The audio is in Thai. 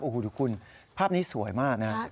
โอ้โหดูคุณภาพนี้สวยมากนะครับ